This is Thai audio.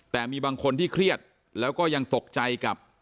แต่มีบางคนที่เครียดแล้วก็ยังตกใจกับ